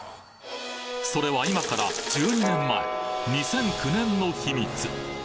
それは今から１２年前２００９年の秘密！